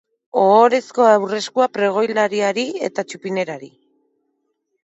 Ohorezko aurreskua pregoilariari eta txupinerari.